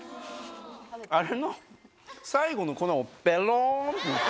あれの最後の粉をペロン。